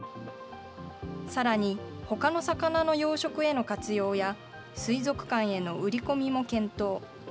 さらにほかの魚の養殖への活用や、水族館への売り込みも検討。